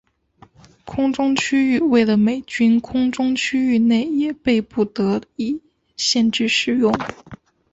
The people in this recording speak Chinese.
空中区域为了美军空中区域内也被不得已限制使用。